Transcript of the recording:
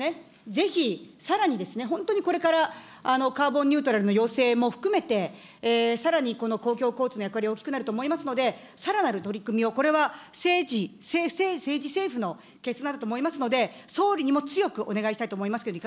ぜひ、さらに本当にこれから、カーボンニュートラルの要請も含めて、さらにこの公共交通の役割は大きくなると思いますので、さらなる取り組みを、これは政治、政府の決断になると思いますので、総理にも強くお願いしたいと思い